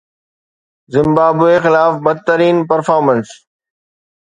Zimbabwe خلاف بدترين performance